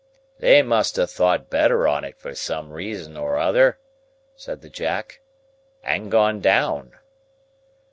"They must ha' thought better on't for some reason or another," said the Jack, "and gone down."